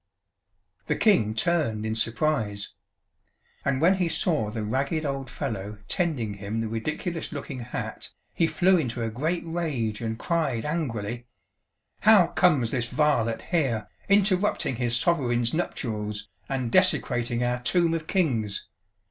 "The King turned in surprise And when he saw the ragged old fellow tending him the ridiculous looking hat, he flew into a great rage and cried angrily: 'How comes this varlet here, interrupting his Sovereign's nuptials and desecrating our Tomb of Kings?